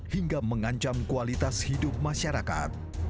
hingga mengancam kualitas hidup masyarakat